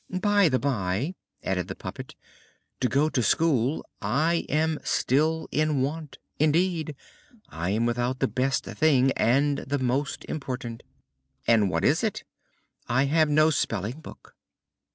"By the bye," added the puppet, "to go to school I am still in want indeed, I am without the best thing, and the most important." "And what is it?" "I have no spelling book."